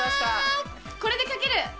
これで書ける。